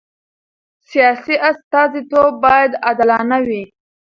سیاسي استازیتوب باید عادلانه وي